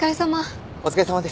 お疲れさまです。